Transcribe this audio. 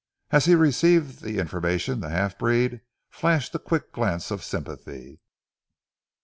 As he received the information the half breed flashed a quick glance of sympathy.